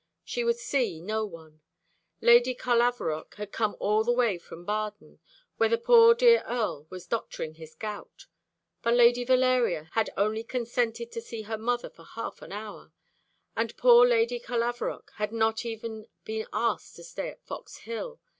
She would see no one. Lady Carlavarock had come all the way from Baden, where the poor dear Earl was doctoring his gout; but Lady Valeria had only consented to see her mother for half an hour, and poor Lady Carlavarock had not even been asked to stay at Fox Hill.